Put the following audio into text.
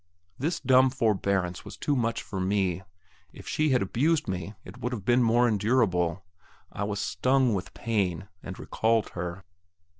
This dumb forbearance was too much for me. If she had abused me, it would have been more endurable. I was stung with pain, and recalled her.